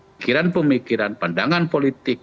pikiran pemikiran pandangan politik